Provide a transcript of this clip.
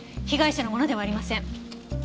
被害者のものではありません。